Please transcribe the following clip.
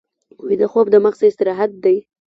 ویده خوب د مغز استراحت دی